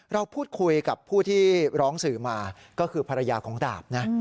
เราพูดคุยกับผู้ที่ร้องสื่อมาก็คือภรรยาของดาบนะ